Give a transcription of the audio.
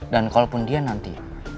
dan kalaupun dia nanti